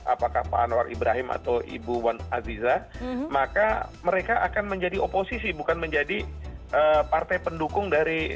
apakah pak anwar ibrahim atau ibu wan aziza maka mereka akan menjadi oposisi bukan menjadi partai pendukung dari